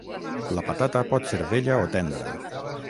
La patata pot ser vella o tendra